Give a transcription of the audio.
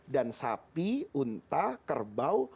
dan sapi unta kerbau